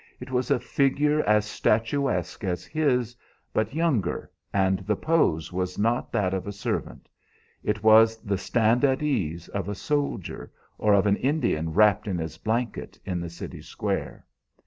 It was a figure as statuesque as his, but younger, and the pose was not that of a servant. It was the stand at ease of a soldier, or of an Indian wrapped in his blanket in the city square.